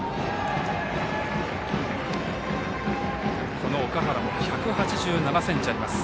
この岳原も１８７ｃｍあります。